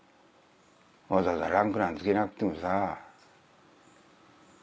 わざわざランクなんて付けなくてもさ。